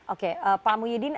oke pak muhyiddin